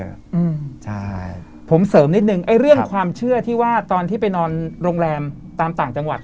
อืมใช่ผมเสริมนิดนึงไอ้เรื่องความเชื่อที่ว่าตอนที่ไปนอนโรงแรมตามต่างจังหวัด